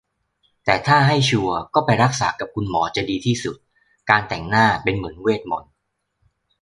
แต่ถ้าให้ชัวร์ก็ไปรักษากับคุณหมอจะดีที่สุด การแต่งหน้าเป็นเหมือนเวทมนตร์